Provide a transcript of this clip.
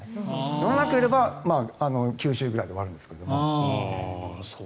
乗らなければ九州ぐらいで終わるんですね。